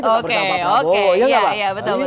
tetap bersama pak prabowo